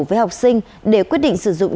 với học sinh để quyết định sử dụng